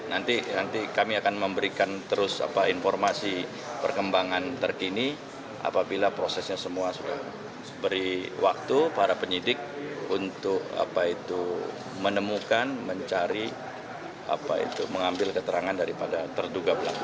nanti kami akan memberikan terus informasi perkembangan terkini apabila prosesnya semua sudah beri waktu para penyidik untuk menemukan mencari apa itu mengambil keterangan daripada terduga pelaku